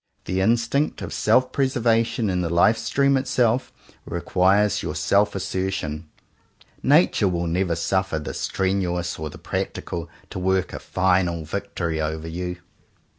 The instinct of self preservation in the Life Stream itself, re quires your self assertion. Nature will never suffer the strenuous or the practical to work a final victory over you.